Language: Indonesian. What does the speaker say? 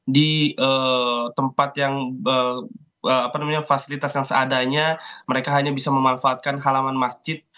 di tempat yang fasilitas yang seadanya mereka hanya bisa memanfaatkan halaman masjid